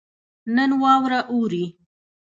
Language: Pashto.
نن واوره اوري